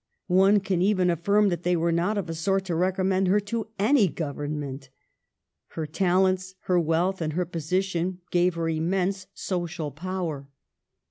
One can even affirm that they were not of a sort to recommend her to any Government. Her tal ents, her wealth and her position gave her im mense social power.